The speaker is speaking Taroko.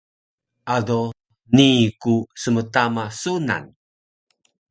ado nii ku smtama sunan